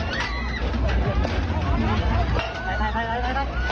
เข้ากญาติ